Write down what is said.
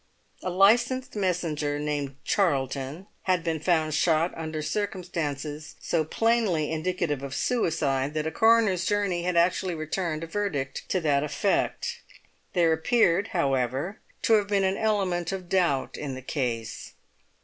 A licensed messenger named Charlton had been found shot under circumstances so plainly indicative of suicide that a coroner's jury had actually returned a verdict to that effect. There appeared, however, to have been an element of doubt in the case.